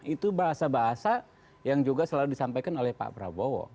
itu bahasa bahasa yang juga selalu disampaikan oleh pak prabowo